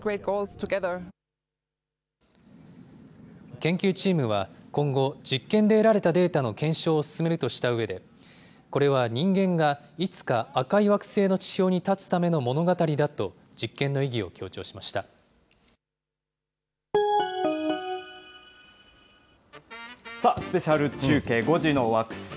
研究チームは今後、実験で得られたデータの検証を進めるとしたうえで、これは人間がいつか赤い惑星の地表に立つための物語だと、実験のさあ、スペシャル中継、５時の惑星。